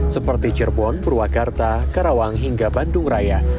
seperti cirebon purwakarta karawang hingga bandung raya